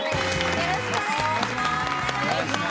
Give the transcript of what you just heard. よろしくお願いします。